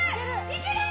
いける！